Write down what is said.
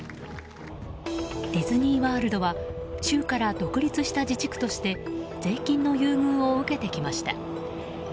ディズニーワールドは州から独立した自治区として税金の優遇を受けてきました。